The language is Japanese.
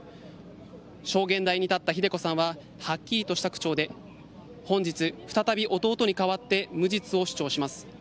証言台に立ったひで子さんははっきりとした口調で本日、再び弟に代わって無実を主張します